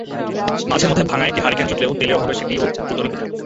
মাঝেমধ্যে ভাঙা একটি হারিকেন জুটলেও তেলের অভাবে সেটিও দ্রুত নিভে যায়।